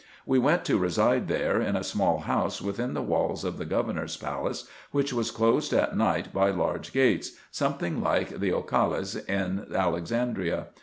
We went to reside there, in a small house within the walls of the governor's palace, which was closed at night by large gates, something like the Occales in Alexandria.